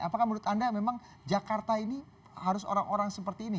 apakah menurut anda memang jakarta ini harus orang orang seperti ini